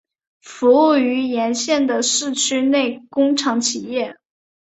服务于沿线的市区内工厂企业。